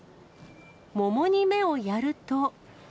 桃に目をやると。